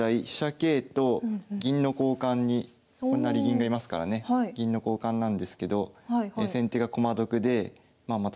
桂と銀の交換に成銀がいますからね銀の交換なんですけど先手が駒得でまあまた